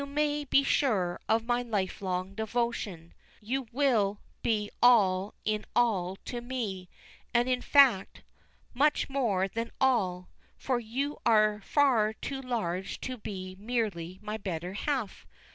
You may be sure of my lifelong devotion. You will be all in all to me, and, in fact, much more than all; for you are far too large to be merely my better half.